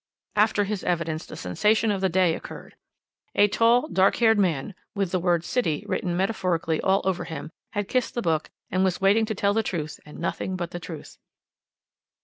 "After his evidence, the sensation of the day occurred. A tall, dark haired man, with the word 'City' written metaphorically all over him, had kissed the book, and was waiting to tell the truth, and nothing but the truth.